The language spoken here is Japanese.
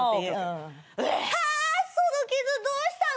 その傷どうしたの？